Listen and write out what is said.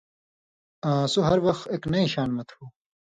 آں سو ہر وخ اېک نئ شان مہ تُھو۔